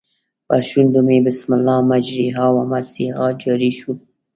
پر شونډو مې بسم الله مجریها و مرسیها جاري شو.